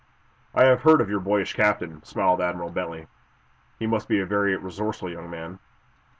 "I have heard of your boyish captain," smiled Admiral Bentley. "He must be a very resourceful young man."